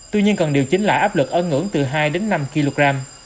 tuy nhiên cần điều chỉnh lại áp lực ân ngưỡng từ hai năm kg